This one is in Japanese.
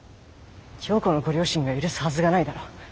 曜子のご両親が許すはずがないだろう。